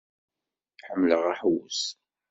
Ḥemmleɣ aḥewwes.